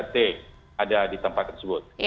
tiga t ada di tempat tersebut